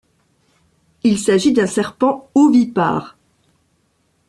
Il s'agit d'un serpent ovipare.